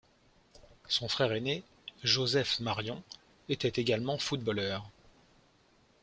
Son frère aîné, Joseph-Marion, était également footballeur.